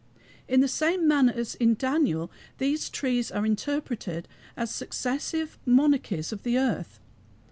In the same manner as in Daniel, these trees are interpreted as successive monarchies of the earth.